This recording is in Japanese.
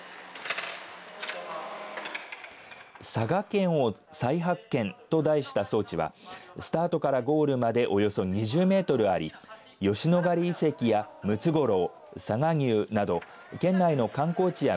佐賀県を再発見！と題した装置はスタートからゴールまでおよそ２０メートルあり吉野ヶ里遺跡やムツゴロウ、佐賀牛など県内の観光地や